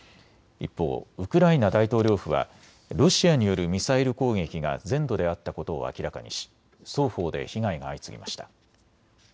一方、ウクライナ大統領府はロシアによるミサイル攻撃が全土であったことを明らかにし双方で被害が相次ぎました。